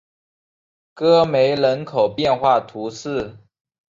戈梅人口变化图示